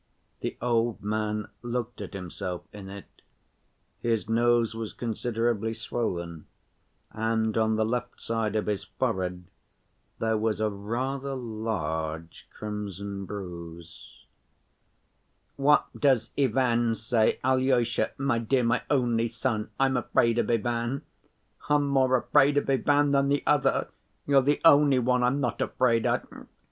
The old man looked at himself in it; his nose was considerably swollen, and on the left side of his forehead there was a rather large crimson bruise. "What does Ivan say? Alyosha, my dear, my only son, I'm afraid of Ivan. I'm more afraid of Ivan than the other. You're the only one I'm not afraid of...."